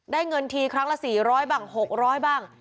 เงินทีครั้งละ๔๐๐บ้าง๖๐๐บ้าง